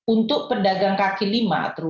untuk pedagang kaki lima